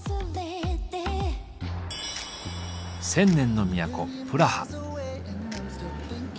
千年の都プラハ。